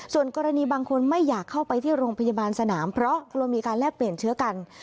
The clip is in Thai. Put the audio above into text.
ส่วนกรณีบางคนไม่อยากเข้าไปที่โรงพยาบาลสนามเพราะกลัวมีการแลกเปลี่ยนเชื้อกัน